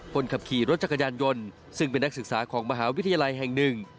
คนขับขี่รถจักรยานยนต์ซึ่งเป็นนักศึกษาของมหาวิทยาลัยแห่งหนึ่ง